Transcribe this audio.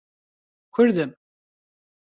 کوردم.